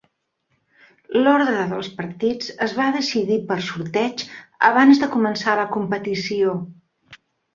L'ordre dels partits es va decidir per sorteig abans de començar la competició.